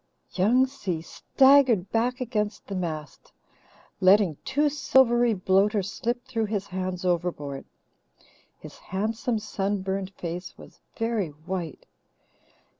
Young Si staggered back against the mast, letting two silvery bloaters slip through his hands overboard. His handsome, sunburned face was very white.